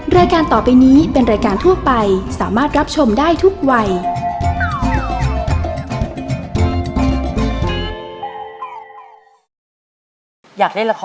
รายการต่อไปนี้เป็นรายการทั่วไปสามารถรับชมได้ทุกวัย